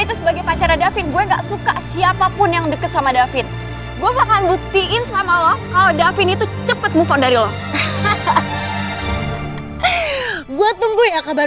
karena setelah diingat ingat acara ulang tahun sekolah ini sudah menghitung hari